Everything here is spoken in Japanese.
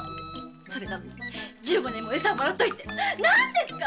⁉それなのに十五年もエサをもらっておいて何ですか‼